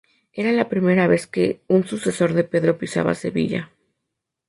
Era la primera vez que un Sucesor de Pedro pisaba Sevilla.